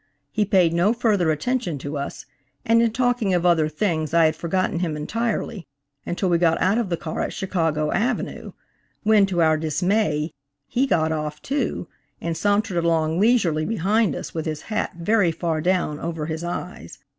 He paid no further attention to us, and in talking of other things I had forgotten him entirely until we got out of the car at Chicago avenue, when, to our dismay, he got off too, and sauntered along leisurely behind us with his hat very far down over his eyes.